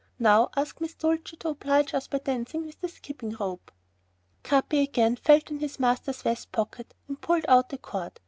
And now ask Miss Dulcie to oblige us by dancing with the skipping rope." Capi again felt in his master's vest pocket and pulled out a cord.